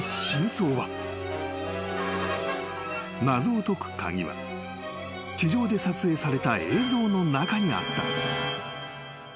［謎を解く鍵は地上で撮影された映像の中にあった］